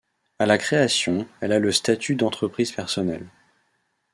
A la création elle a le statut d'entreprise personnelle.